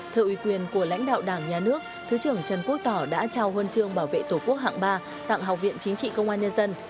thợ ủy quyền của lãnh đạo đảng nhà nước thứ trưởng trần quốc tỏ đã trao huân chương bảo vệ tổ quốc hạng ba tặng học viện chính trị công an nhân dân